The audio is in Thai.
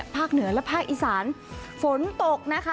เหนือและภาคอีสานฝนตกนะคะ